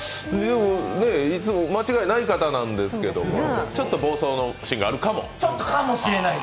いつも間違いない方なんですけれど、ちょっと暴走のシーンがあるかも。